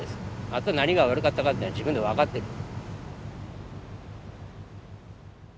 あと何が悪かったかっていうのは自分で分かってる。